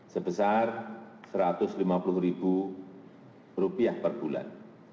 sebesar rp satu ratus lima puluh per bulan